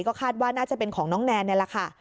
ก็คาดว่าน่าจะเป็นของน้องแนนนี่แหละค่ะ